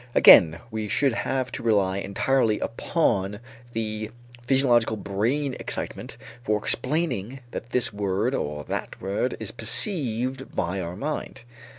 Again we should have to rely entirely upon the physiological brain excitement for explaining that this word or that word is perceived by our mind.